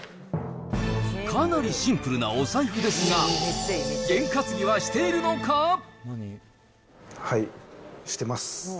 かなりシンプルなお財布ですが、はい、してます。